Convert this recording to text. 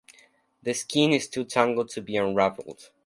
The skein is too tangled to be unravelled.